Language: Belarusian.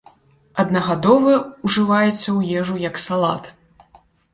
Аднагадовы ўжываецца ў ежу як салата.